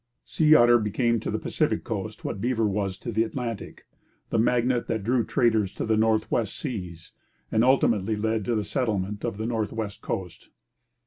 Sea otter became to the Pacific coast what beaver was to the Atlantic the magnet that drew traders to the north west seas, and ultimately led to the settlement of the north west coast.